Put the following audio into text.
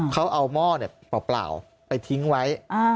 เขาเอาหม้อเปล่าไปทิ้งไว้